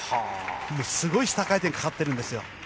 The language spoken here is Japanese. すごい下回転かかってるんですよ。